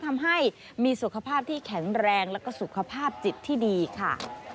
ทำให้มีสุขภาพที่แข็งแรงแล้วก็สุขภาพจิตที่ดีค่ะ